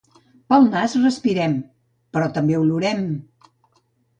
Pel nas respirem… però també olorem!